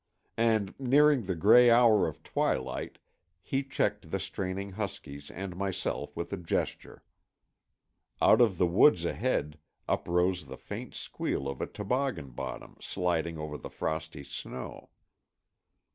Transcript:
And nearing the gray hour of twilight he checked the straining huskies and myself with a gesture. Out of the woods ahead uprose the faint squeal of a toboggan bottom sliding over the frosty snow.